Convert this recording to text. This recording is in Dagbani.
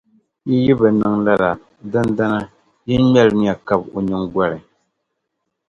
yi yi bi niŋ lala, dindina yin’ ŋmɛlimiya kab’ o nyiŋgoli.